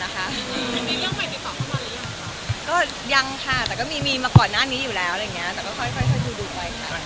ก็ยังค่ะแต่ก็มีมีมาก่อนหน้านี้อยู่แล้ว